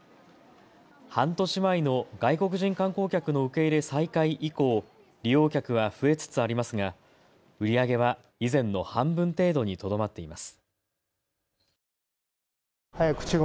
半年前の外国人観光客の受け入れ再開以降、利用客は増えつつありますが売り上げは以前の半分程度にとどまっています。